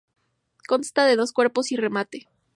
Consta de dos cuerpos y remate.